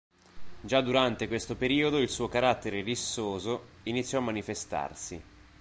Già durante questo periodo il suo carattere rissoso iniziò a manifestarsi.